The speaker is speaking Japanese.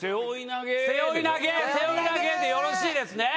「背負い投げ」でよろしいですね？